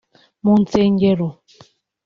mu nsengero